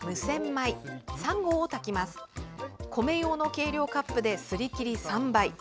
米用の計量カップですりきり３杯。